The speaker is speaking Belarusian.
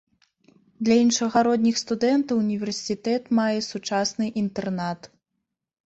Для іншагародніх студэнтаў універсітэт мае сучасны інтэрнат.